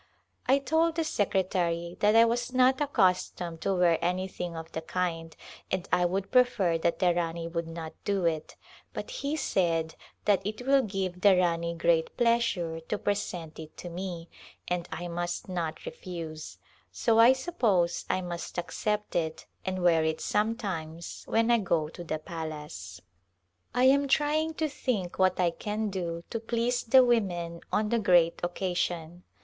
I told the secretary that I was not accustomed to wear anything of the kind and I would prefer that the Rani would not do it, but he said that it will give the Rani great pleasure to present it to me and I must not refuse, so I suppose I must accept it and wear it some times when I go to the palace. I am trying to think [ '70] Call to Rajptitaiia what I can do to please the women on the great oc casion.